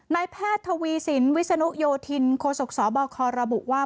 นายแพทย์ทวีสินวิศนุโยธินโคศกสบคระบุว่า